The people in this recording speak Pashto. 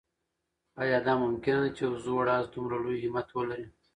آیا دا ممکنه ده چې یو زوړ آس دومره لوی همت ولري؟